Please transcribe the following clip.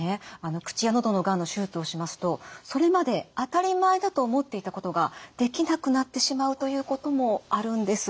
口や喉のがんの手術をしますとそれまで当たり前だと思っていたことができなくなってしまうということもあるんです。